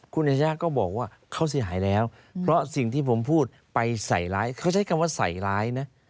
คุณอาชญาก็บอกว่าเขาเสียหายแล้วเพราะสิ่งที่ผมพูดไปใส่ร้ายเขาใช้คำว่าใส่ร้ายนะ